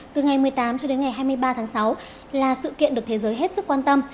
từ ngày một mươi tám cho đến ngày hai mươi ba tháng sáu là sự kiện được thế giới hết sức quan tâm